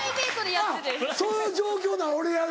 あっそういう状況なら俺やる。